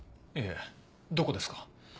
いえどこですか？